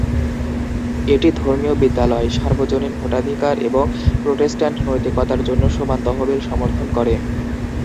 এটি ধর্মীয় বিদ্যালয়, সার্বজনীন ভোটাধিকার এবং প্রোটেস্ট্যান্ট নৈতিকতার জন্য সমান তহবিল সমর্থন করে।